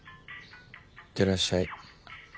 行ってらっしゃい。